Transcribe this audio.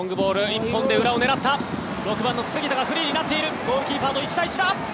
１本で裏を狙った６番の杉田がフリーになっているゴールキーパーと１対１だ！